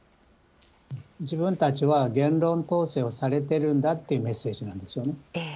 自分たちは言論統制をされてるんだっていうメッセージなんですよね。